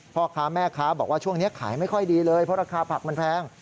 พ่อค้าแม่ค้าบอกว่าช่วงนี้ขายไม่ค่อยดีเลยเพราะราคาผักมันแพง